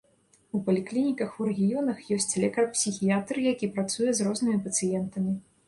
У паліклініках у рэгіёнах ёсць лекар-псіхіятр, які працуе з рознымі пацыентамі.